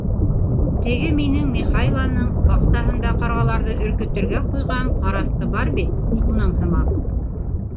Теге минең Михайланың баҡсаһында ҡарғаларҙы өркөтөргә ҡуйған ҡарасҡы бар бит, шуның һымаҡ.